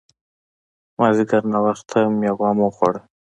مازیګر ناوخته مېوه مو وخوړه.